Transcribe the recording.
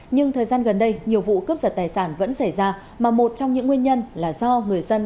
nhưng thời gian gần đây nhiều vụ cướp giật tài sản vẫn xảy ra mà một trong những nguyên nhân là do người dân